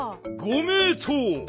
ご名とう！